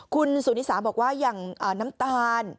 คุณศูนย์ที่๓บอกว่าอย่างน้ำตาล